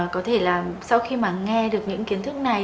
có thể là sau khi mà nghe được những kiến thức này